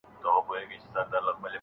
خلکو د نوي نظام هرکلی کاوه.